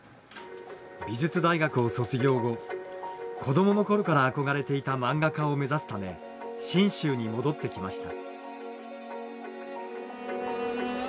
美術大学を卒業後子供の頃から憧れていた漫画家を目指すため信州に戻ってきました。